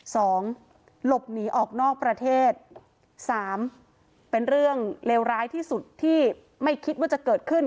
หลบหนีออกนอกประเทศสามเป็นเรื่องเลวร้ายที่สุดที่ไม่คิดว่าจะเกิดขึ้น